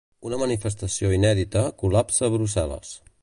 Una manifestació inèdita col·lapsa Brussel·les.